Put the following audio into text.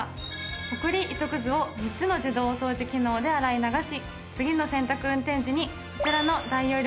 ホコリ糸くずを３つの自動おそうじ機能で洗い流し次の洗濯運転時にこちらの大容量